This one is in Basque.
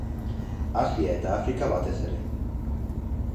Asia eta Afrika batez ere.